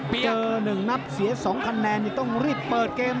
เจอ๑นับเสีย๒คะแนนต้องรีบเปิดเกม